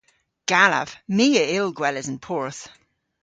Gallav. My a yll gweles an porth.